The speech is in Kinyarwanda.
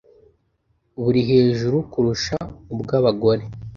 buri hejuru kurusha ubw’abagore